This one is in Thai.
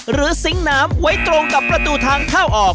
ซิงค์น้ำไว้ตรงกับประตูทางเข้าออก